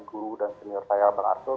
guru dan senior saya bang arsul